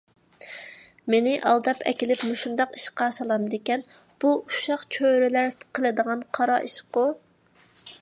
مېنى ئالداپ ئەكېلىپ مۇشۇنداق ئىشقا سالامدىكەن؟ بۇ ئۇششاق چۆرىلەر قىلىدىغان قارا ئىشقۇ!